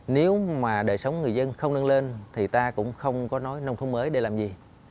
nếu mà đời sống người dân không nâng lên thì ta cũng không có nói nông thôn mới để làm gì